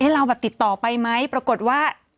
เราแบบติดต่อไปไหมปรากฏว่า